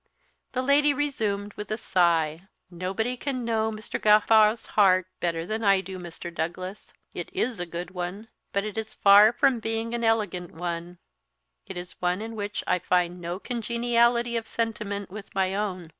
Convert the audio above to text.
The lady resumed with a sigh, "Nobody can know Mr. Gawffaw's heart better than I do, Mr. Douglas. It is a good one, but it is far from being an elegant one; it is one in which I find no congeniality of sentiment with my own.